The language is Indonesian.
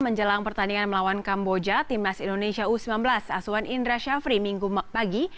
menjelang pertandingan melawan kamboja timnas indonesia u sembilan belas aswan indra syafri minggu pagi